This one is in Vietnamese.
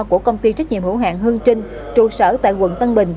của công ty trách nhiệm hữu hạng hương trinh trụ sở tại quận tân bình